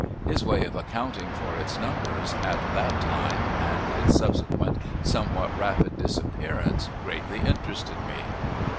His way of accounting for its numbers at that time and its subsequent, somewhat rapid disappearance greatly interested me.